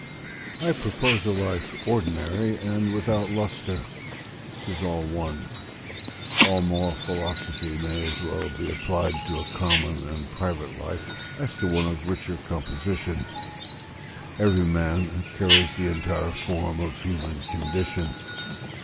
I propose a life ordinary and without lustre: 'tis all one; all moral philosophy may as well be applied to a common and private life, as to one of richer composition: every man carries the entire form of human condition.